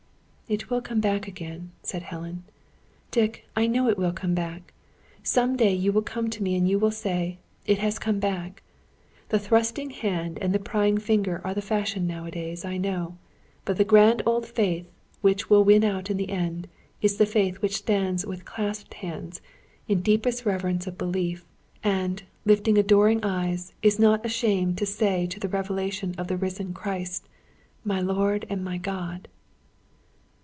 "It will come back again," said Helen. "Dick, I know it will come back. Some day you will come to me and you will say: 'It has come back.' The thrusting hand and the prying finger are the fashion nowadays, I know. But the grand old faith which will win out in the end, is the faith which stands with clasped hands, in deepest reverence of belief; and, lifting adoring eyes, is not ashamed to say to the revelation of a Risen Christ: 'My Lord and my God!'"